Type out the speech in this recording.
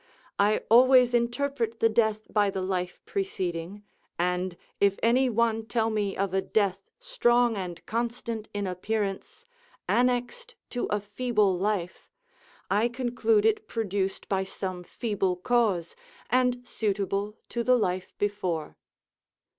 I always interpret the death by the life preceding; and if any one tell me of a death strong and constant in appearance, annexed to a feeble life, I conclude it produced by some feeble cause, and suitable to the life before.